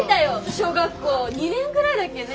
小学校２年ぐらいだっけね。